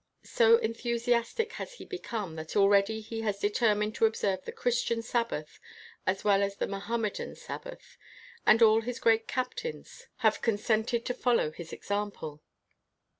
So enthusiastic has he become that already he has determined to observe the Christian Sabbath as well as the Mohammedan Sab bath, and all his great captains have con 4 INTERVIEW WITH A BLACK KING sented to follow his example.